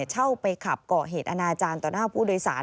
เช่าไปขับก่อเหตุอนาจารย์ต่อหน้าผู้โดยสาร